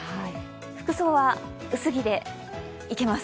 服装は薄着でいけます。